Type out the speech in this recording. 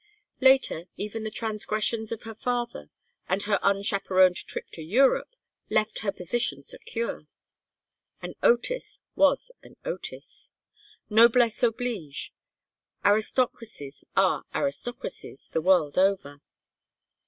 Later, even the transgressions of her father, and her unchaperoned trip to Europe, left her position secure. An Otis was an Otis. Noblesse oblige. Aristocracies are aristocracies the world over.